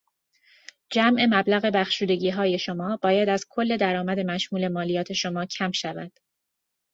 جمع مبلغ بخشودگیهای شما باید از کل درآمد مشمول مالیات شما کم شود.